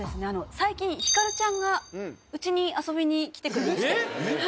最近光ちゃんがうちに遊びに来てくれましてえっ！？